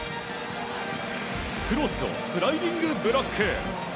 クロスをスライディングブロック。